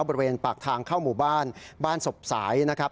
บริเวณปากทางเข้าหมู่บ้านบ้านศพสายนะครับ